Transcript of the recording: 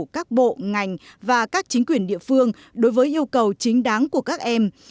các bộ ngành và các chính quyền địa phương đối với yêu cầu chính đáng của các em